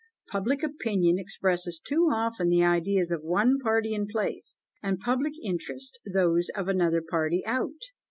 Public opinion expresses too often the ideas of one party in place; and public interest those of another party out!